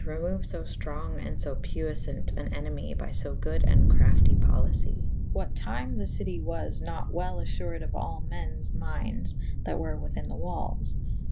remoue fo ftronge and puyffaunt an enemy by fo good and crafty policy / what tyme the citie was nat wel affured of all me^nes myndes that were within the walles / co